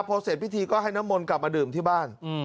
พอเสร็จก็ให้น้ำมนไปดื่มไปบ้าน